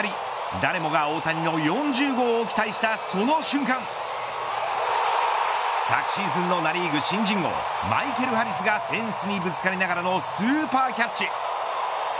誰もが大谷の４０号を期待したその瞬間を昨シーズンのナ・リーグ新人王マイケル・ハリスがフェンスにぶつかりながらのスーパーキャッチ。